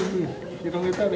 広げたれ！